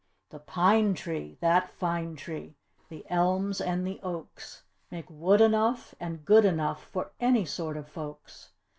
The pine tree that fine tree! the elms and the oaks, Make wood enough and good enough for any sort of folks.